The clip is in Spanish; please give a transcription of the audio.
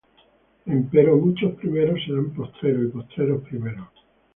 Empero muchos primeros serán postreros, y postreros primeros.